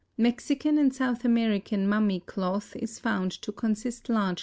Mexican and South American mummy cloth is found to consist largely of cotton.